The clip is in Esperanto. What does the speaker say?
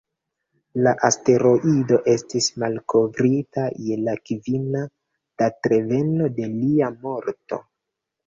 La asteroido estis malkovrita je la kvina datreveno de lia morto.